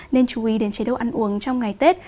nên chú ý đến chế độ ăn uống trong ngày tết